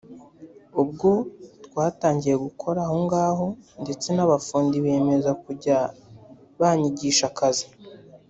ubwo twatangiye gukora aho ngaho ndetse n’abafundi biyemeza kujya banyigisha akazi